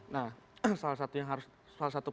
nah salah satu